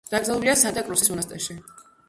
დაკრძალულია სანტა-კრუსის მონასტერში.